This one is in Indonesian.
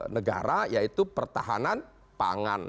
negara yaitu pertahanan pangan